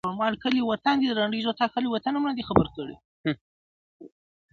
• يو بل نظر وړلاندي کيږي تل,